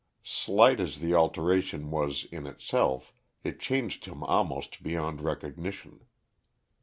Slight as the alteration was in itself, it changed him almost beyond recognition.